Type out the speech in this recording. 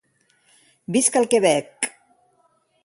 Visca el Quebec!